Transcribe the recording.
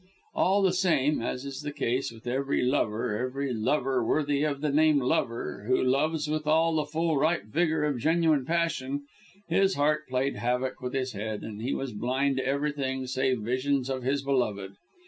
All the same as is the case with every lover every lover worthy of the name of lover who loves with all the full, ripe vigour of genuine passion, his heart played havoc with his head; and he was blind to everything save visions of his beloved.